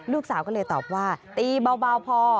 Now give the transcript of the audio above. ลูกสาวก็เลยตอบว่าตีเบาพอ